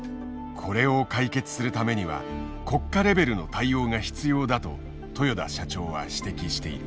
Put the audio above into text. これを解決するためには国家レベルの対応が必要だと豊田社長は指摘している。